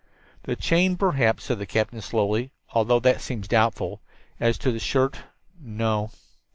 "The chain perhaps," said the captain slowly, "although that seems doubtful. As to the shirt, no."